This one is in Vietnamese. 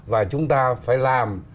và chúng ta phải làm